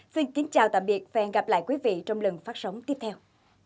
xin kính chào tạm biệt và hẹn gặp lại quý vị trong lần phát sóng tiếp theo